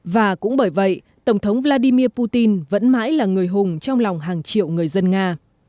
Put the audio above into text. và cũng bởi vậy tổng thống vladimir putin vẫn mãi là người hùng trong lòng hàng triệu người dân nga